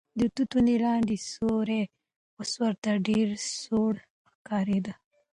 د توت ونې لاندې سیوری اوس ورته ډېر سوړ ښکارېده.